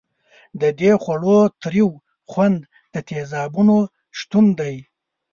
د دې خوړو تریو خوند د تیزابونو شتون دی.